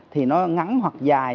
thì nó ngắn hoặc dài